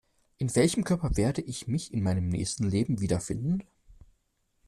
In welchem Körper werde ich mich in meinem nächsten Leben wiederfinden?